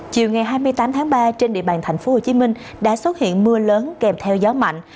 chiều ngày hai mươi tám tháng ba trên địa bàn tp hcm đã xuất hiện mưa lớn kèm theo gió mạnh